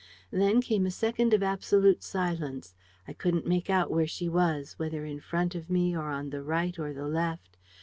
Then came a second of absolute silence. I couldn't make out where she was: whether in front of me, or on the right or the left.